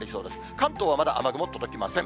関東はまだ雨雲、届きません。